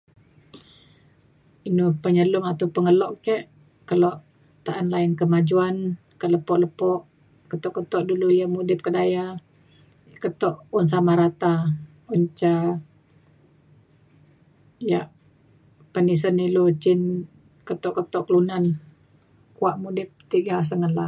Inu penyelu atau pengelok ke kelo taan lain kemajuan ka lepo lepo keto keto dulu ya udip ka daya keto sama rata en ca ya' penisen ilu jin keto keto kelunan kua murip tiga sebelang.